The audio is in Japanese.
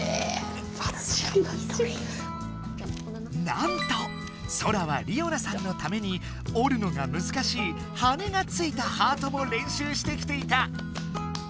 なんとソラはりおなさんのために折るのがむずかしい羽がついたハートもれんしゅうしてきていた！